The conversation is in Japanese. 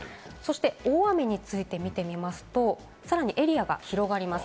大雨について見てみますと、さらにエリアが広がります。